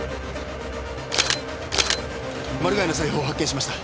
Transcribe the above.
マルガイの財布を発見しました。